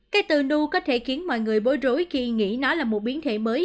cây từ nu có thể khiến mọi người bối rối khi nghĩ nó là một biến thể mới